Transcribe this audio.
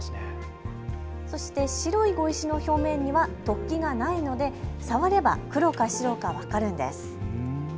そして白い碁石の表面には突起がないので触れば黒か白か分かるんです。